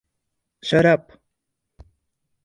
Shut Up!